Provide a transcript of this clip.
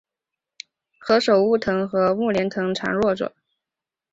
何首乌藤和木莲藤缠络着